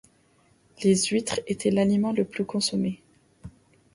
Les huîtres étaient l'aliment le plus consommé.